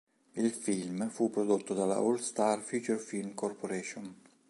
Il film fu prodotto dalla All Star Feature Film Corp.